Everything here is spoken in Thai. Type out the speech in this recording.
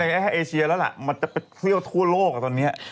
ไม่ใช่ในเอเซียแล่วหละมันจะไปเที่ยวทั้วโลกอะตอนนี้